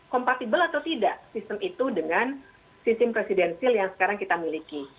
kompatibel atau tidak sistem itu dengan sistem presidensil yang sekarang kita miliki